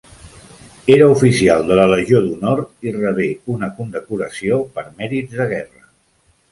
Era oficial de la Legió d'Honor i rebé una condecoració per mèrits de guerra.